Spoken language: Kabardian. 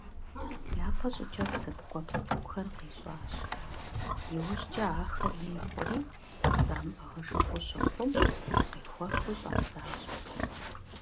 Япэ щӀыкӀэ псы ткӀуэпс цӀыкӀухэр къищӀащ, иужькӀэ ахэр ин хъури, замыӀыгъыжыфу щыхъум, къехуэхыу щӀадзащ.